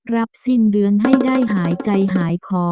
รับสิ้นเดือนให้ได้หายใจหายคอ